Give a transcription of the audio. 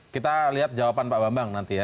kita lihat jawaban pak bambang nanti ya